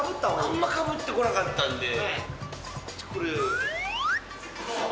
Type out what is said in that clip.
あんまかぶってこなかったんで、じゃあこれ。